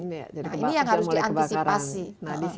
ini yang harus diantisipasi